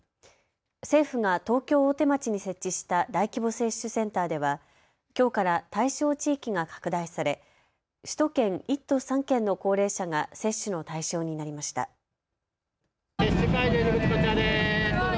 政府が東京大手町に設置した大規模接種センターではきょうから対象地域が拡大され首都圏、１都３県の高齢者が接種の対象になりました。